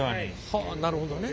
はあなるほどね。